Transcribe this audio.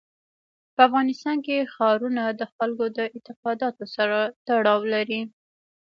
په افغانستان کې ښارونه د خلکو د اعتقاداتو سره تړاو لري.